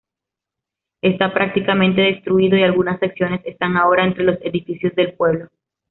Está prácticamente destruido y algunas secciones están ahora entre los edificios del pueblo.